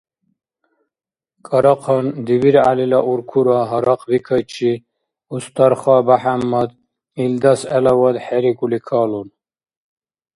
КӀарахъан ДибиргӀялила уркура гьарахъбикайчи Устарха БяхӀяммад илдас гӀелавад хӀерикӀули калун